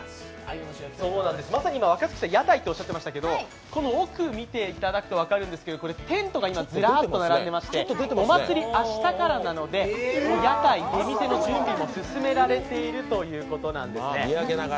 まさに今、若槻さん、屋台とおっしゃっていましたけど奥見ると分かるんですけどテントがずらっと並んでまして、お祭り、明日からなので、屋台、出店の準備も進められているということなんです。